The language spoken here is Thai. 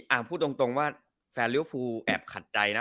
พูดตรงว่าแฟนลิวฟูแอบขัดใจนะ